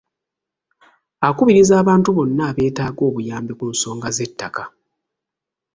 Akubiriza abantu bonna abeetaaga obuyambi ku nsonga z’ettaka.